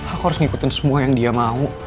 aku harus ngikutin semua yang dia mau